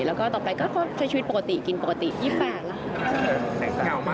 แล้วก็ต่อไปก็ใช้ชีวิตปกติกินปกติ๒๘แล้วค่ะ